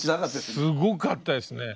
すごかったですね。